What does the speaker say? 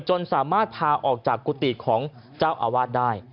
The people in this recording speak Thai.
จนสามารถพาออกจากกุฏิของเจ้าอาวาสได้